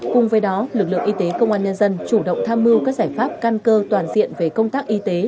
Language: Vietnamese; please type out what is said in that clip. cùng với đó lực lượng y tế công an nhân dân chủ động tham mưu các giải pháp căn cơ toàn diện về công tác y tế